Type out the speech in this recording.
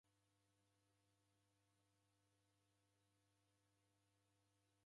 Mbogho radatika kisaya